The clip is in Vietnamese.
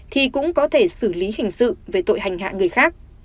thì cũng có thể xử lý hình sự về tội hành hạ người khác